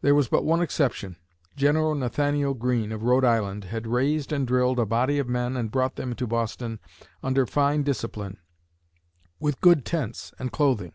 There was but one exception. General Nathanael Greene, of Rhode Island, had raised and drilled a body of men and brought them to Boston under fine discipline, with good tents and clothing.